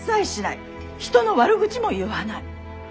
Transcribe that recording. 人の悪口も言わない。